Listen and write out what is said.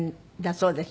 そうです。